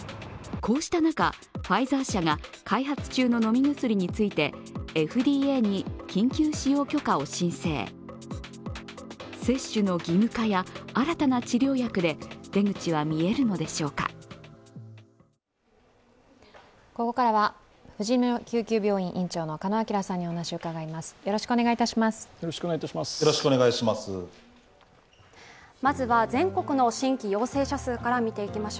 ここからはふじみの救急病院院長の鹿野晃さんにお話を伺います。